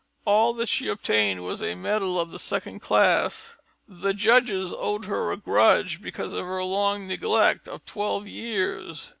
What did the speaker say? All that she obtained was a medal of the second class. The judges owed her a grudge because of her long neglect of twelve years.